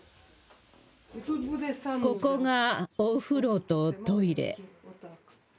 ここがお風呂とトイレ。